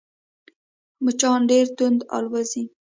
مچان ډېر تند الوزي